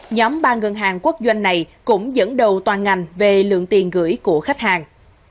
nhóm ba ngân hàng quốc doanh này cũng dẫn đầu toàn ngành về lượng tiền gửi của khách hàng